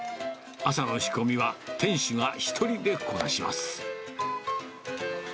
朝の仕込みは、店主が１人でこなします。